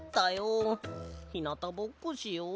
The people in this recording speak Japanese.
ひなたぼっこしよう。